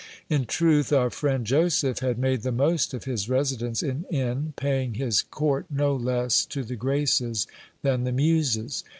In truth, our friend Joseph had made the most of his residence in N., paying his court no less to the Graces than the Muses.